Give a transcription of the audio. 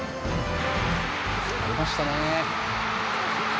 ありましたね。